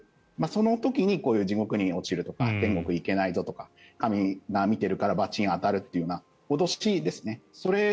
その時にこういう、地獄に落ちるとか天国に行けないぞとか神が見ているから罰が当たるとか脅しですね。